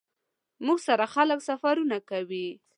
موټر سره خلک سفرونه کوي.